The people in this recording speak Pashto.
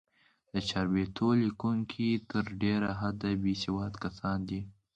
د چاربیتو لیکوونکي تر ډېره حده، بېسواد کسان دي.